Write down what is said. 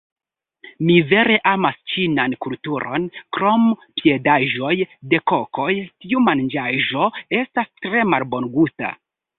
Mi vere amas ĉinan kulturon krom piedaĵoj de kokoj tiu manĝaĵo estas tre malbongusta